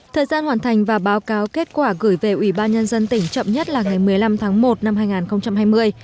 thời gian hoàn thành và báo cáo kết quả gửi về ủy ban nhân dân tỉnh chậm nhất là ngày một mươi năm tháng một năm hai nghìn hai mươi